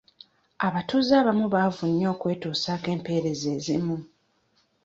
Abatuze abamu baavu nnyo okwetusaako empeereza ezimu.